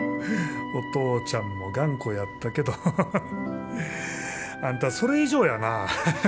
お父ちゃんも頑固やったけどハハハハあんたそれ以上やな。